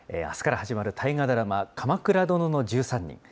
あすから始まる大河ドラマ、鎌倉殿の１３人。